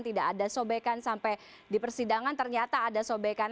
tidak ada sobekan sampai di persidangan ternyata ada sobekan